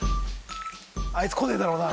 「あいつ来ねえだろうな？」